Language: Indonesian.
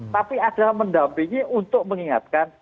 tapi ada mendampingi untuk mengingatkan